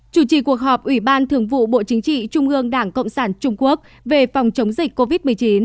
chủ trì cuộc họp ủy ban thường vụ bộ chính trị trung ương đảng cộng sản trung quốc về phòng chống dịch covid một mươi chín